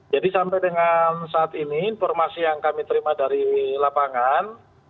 jadi sampai dengan saat ini informasi yang kami terima dari lapangan